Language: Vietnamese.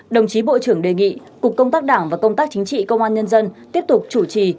đồng chí bộ trưởng đề nghị cục công tác đảng và công tác chính trị công an nhân dân tiếp tục chủ trì